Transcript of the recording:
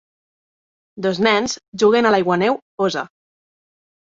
Dos nens juguen a l'aiguaneu fosa.